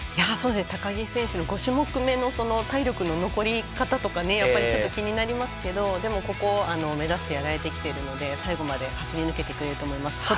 高木選手の５種目めの体力の残り方とかちょっと気になりますけどでも、ここを目指してやられてきているので最後まで走り抜けてくれると思います。